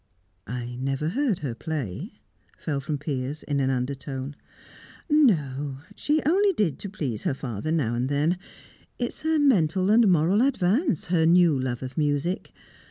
"I never heard her play," fell from Piers in an undertone. "No; she only did to please her father now and then. It's a mental and moral advance, her new love of music.